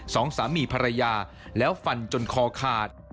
สองสามีภรรยาแล้วฟันจนคอขาด